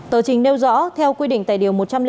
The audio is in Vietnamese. tờ trình nêu rõ theo quy định tài điều một trăm linh bốn